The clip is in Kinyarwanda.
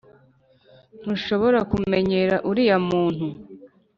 ntushobora kumenyera uriya muntu